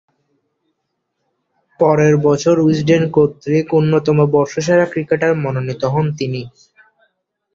পরের বছর উইজডেন কর্তৃক অন্যতম বর্ষসেরা ক্রিকেটার মনোনীত হন তিনি।